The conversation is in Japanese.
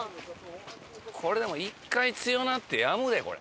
これでも一回強なってやむでこれ。